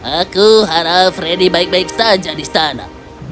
aku harap freddy baik baik saja di istana